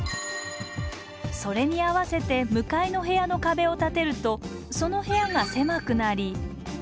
それに合わせて向かいの部屋の壁を建てるとその部屋が狭くなり